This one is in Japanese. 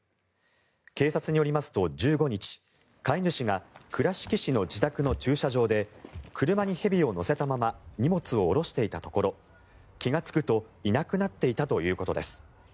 警察によりますと、１５日飼い主が倉敷市の自宅の駐車場で車に蛇を乗せたまま荷物を下ろしていたところ気がつくといなくなっていたということです。